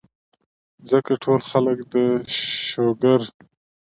ځکه ټول خلک د شوګر ،